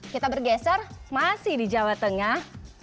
kita bergeser masih di jawa tengah